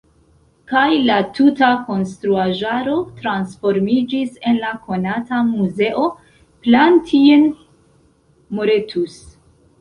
Kaj la tuta konstruaĵaro transformiĝis en la konata Muzeo Plantijn-Moretus.